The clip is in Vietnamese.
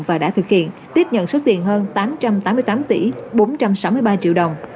và đã thực hiện tiếp nhận số tiền hơn tám trăm tám mươi tám tỷ bốn trăm sáu mươi ba triệu đồng